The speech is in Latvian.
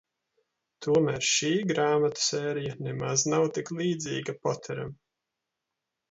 Tomēr šī grāmatu sērija nemaz nav tik līdzīga Poteram.